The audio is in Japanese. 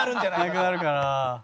なくなるから。